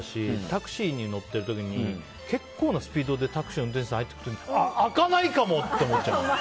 タクシーに乗ってる時に結構なスピードでタクシーの運転手さんが入っていく時開かないかも！って思っちゃう。